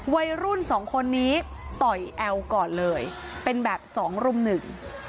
วัยรุ่นสองคนนี้ต่อยแอลก่อนเลยเป็นแบบสองรุ่มหนึ่ง